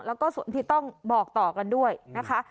แล้วก็ส่วนที่ต้องบอกต่อกันด้วยนะคะ